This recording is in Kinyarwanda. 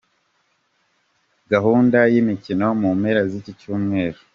Gahunda y’imikino mu mpera z’iki Cyumweru.